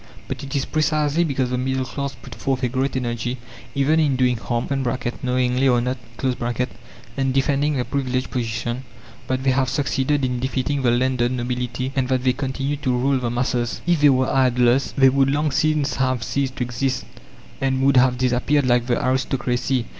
But it is precisely because the middle class put forth a great energy, even in doing harm (knowingly or not) and defending their privileged position, that they have succeeded in defeating the landed nobility, and that they continue to rule the masses. If they were idlers, they would long since have ceased to exist, and would have disappeared like the aristocracy.